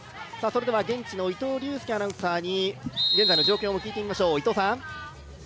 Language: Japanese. それでは現地の伊藤隆佑アナウンサーに現在の状況を聞いてみましょう。